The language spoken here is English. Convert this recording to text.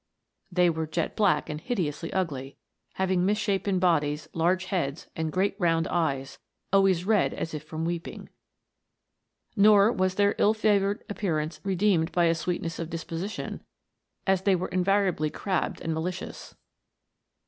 They were jet black and hideously ugly, having misshapen bodies, large heads, and great round eyes, always red as if from weeping ; nor was their ill favoured appearance redeemed by a sweetness of disposition, as they were invariably crabbed and malicious.